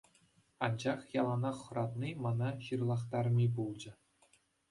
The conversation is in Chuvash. Анчах яланах хӑратни мана ҫырлахтарми пулчӗ.